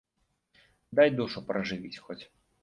Дай душу пражывіць хоць.